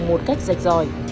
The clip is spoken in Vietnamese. một cách rạch ròi